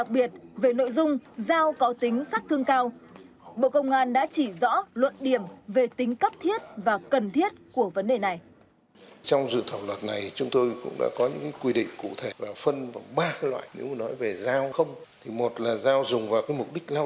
bộ công an đã chỉ rõ luận điểm về tính cấp thiết và cần thiết của vấn đề này